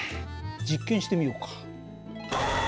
実験してみようか。